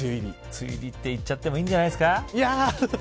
梅雨入りって言っちゃってもいいんじゃないですか。